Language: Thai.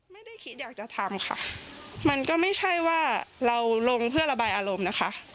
ไม่ได้คิดอยากจะทำค่ะมันก็ไม่ใช่ว่าเราลงเพื่อระบายอารมณ์นะคะ